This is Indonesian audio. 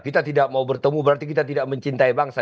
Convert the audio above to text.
kita tidak mau bertemu berarti kita tidak mencintai bangsa